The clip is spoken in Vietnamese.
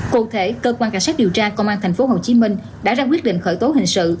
cụ thể cơ quan cảnh sát điều tra công an tp hcm đã ra quyết định khởi tố hình sự